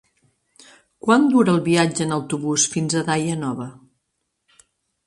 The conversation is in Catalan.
Quant dura el viatge en autobús fins a Daia Nova?